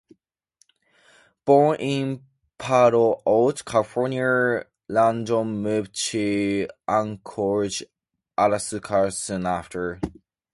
Born in Palo Alto, California, Langdon moved to Anchorage, Alaska soon after.